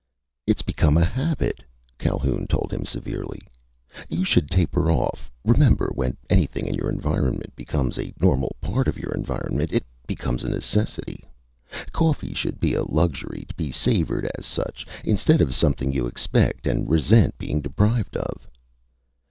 "It's become a habit," Calhoun told him severely. "You should taper off. Remember, when anything in your environment becomes a normal part of your environment, it becomes a necessity. Coffee should be a luxury, to be savored as such, instead of something you expect and resent being deprived of."